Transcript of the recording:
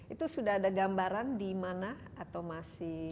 itu sudah ada gambaran di mana atau masih